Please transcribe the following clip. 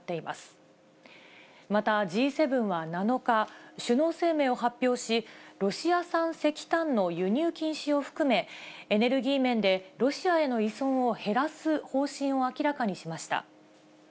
また、Ｇ７は７日、首脳声明を発表し、ロシア産石炭の輸入禁止を含め、エネルギー面でロシアへの依存を減らす方針を明らかにしました。